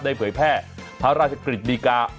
ได้เผยแพร่พระราชกิจบีกา